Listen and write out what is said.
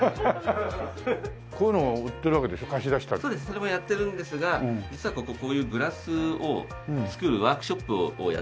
それもやってるんですが実はこここういうグラスを作るワークショップをやってるんです。